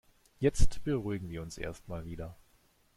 Jetzt beruhigen wir uns erst mal wieder.